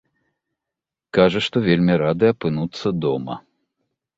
Кажа, што вельмі рады апынуцца дома.